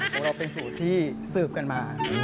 ของเราเป็นสูตรที่สืบกันมา